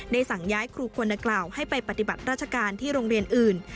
สั่งย้ายครูคนดังกล่าวให้ไปปฏิบัติราชการที่โรงเรียนอื่น